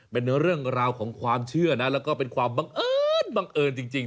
เป็นเรื่องราวของความเชื่อนะแล้วก็เป็นความบังเอิญบังเอิญจริง